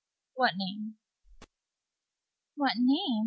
"What name?" "What name?"